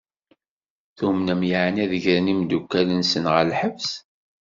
Tumnem yeɛni ad gren imdukal-nsen ɣer lḥebs?